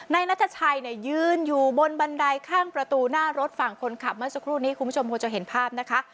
นัทชัยเนี่ยยืนอยู่บนบันไดข้างประตูหน้ารถฝั่งคนขับเมื่อสักครู่นี้คุณผู้ชมคงจะเห็นภาพนะคะ